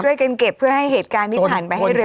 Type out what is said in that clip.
ช่วยกันเก็บเพื่อให้เหตุการณ์นิดผ่านไปให้เรียกที่สุด